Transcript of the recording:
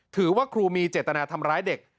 ถือว่าครูมีเจตนาทำร้ายเด็ก